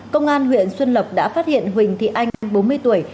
công an huyện xuân lộc đã phát hiện huỳnh thị anh bốn mươi tuổi